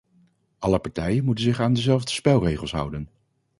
Alle partijen moeten zich aan dezelfde spelregels houden.